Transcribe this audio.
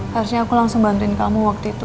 harusnya aku langsung bantuin kamu waktu itu